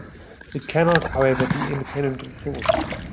It cannot, however, be independent of thought.